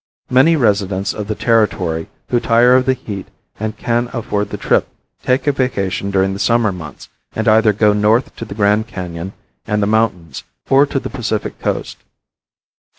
Many residents of the Territory who tire of the heat and can afford the trip take a vacation during the summer months and either go north to the Grand Canon and the mountains or to the Pacific Coast.